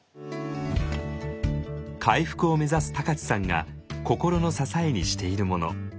回復を目指す高知さんが心の支えにしているもの。